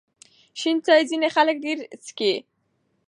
شین چای ځینې خلک ډېر څښي.